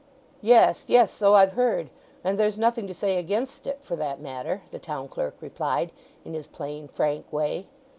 "Yes, yes; so I've heard; and there's nothing to say against it for that matter," the town clerk replied, in his plain, frank way.